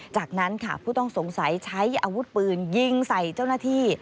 จากนั้นค่ะผู้ต้องสงสัยใช้อาวุธปืนยิงใส่เจ้าหน้าที่